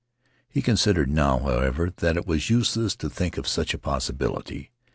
He considered, now, however, that it was useless to think of such a possibility.